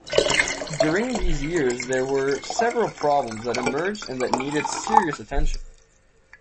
During these years there were several problems that emerged and that needed serious attention.